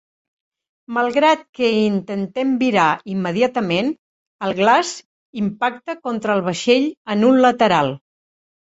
Malgrat que intenten virar immediatament, el glaç impacta contra el vaixell en un lateral.